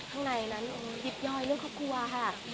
ข้างในนั้นยิบย่อยเรื่องครอบครัวค่ะ